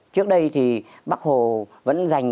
trước đây thì bác hồ vẫn dành